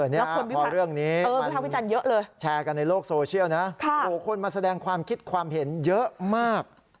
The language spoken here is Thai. แล้วคุณพอเรื่องนี้มันแชร์กันในโลกโซเชียลนะโอ้โหคุณมาแสดงความคิดความเห็นเยอะมาก